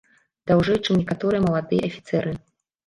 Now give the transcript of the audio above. Даўжэй, чым некаторыя маладыя афіцэры.